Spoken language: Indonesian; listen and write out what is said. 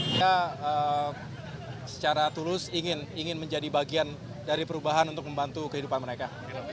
saya secara tulus ingin menjadi bagian dari perubahan untuk membantu kehidupan mereka